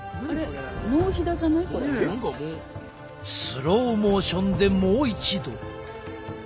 スローモーションでもう一度。